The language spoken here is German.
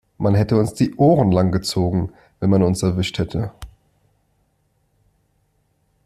Man hätte uns die Ohren lang gezogen, wenn man uns erwischt hätte.